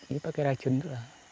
ini pakai racun tuh lah